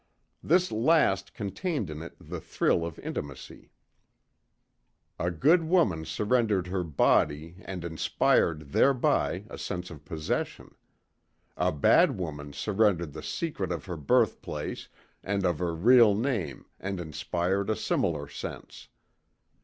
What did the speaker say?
This last contained in it the thrill of intimacy. A good woman surrendered her body and inspired thereby a sense of possession. A bad woman surrendered the secret of her birthplace and of her real name and inspired a similar sense.